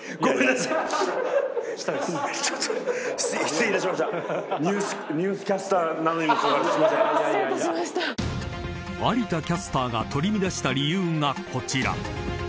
［有田キャスターが取り乱した理由がこちら］